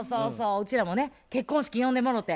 うちらもね結婚式呼んでもろて。